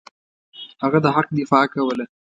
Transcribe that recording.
هغه د حق دفاع کوله.